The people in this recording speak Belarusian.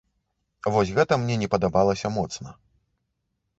Вось гэта мне не падабалася моцна.